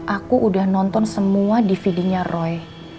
aku udah nonton semua dvd nya roy